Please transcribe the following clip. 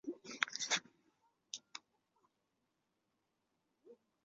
弗勒里涅人口变化图示